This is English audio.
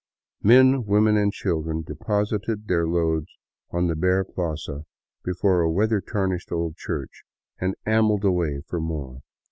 Men, women, and children deposited their loads on the bare plaza before a weather tarnished old church, and ambled away for more.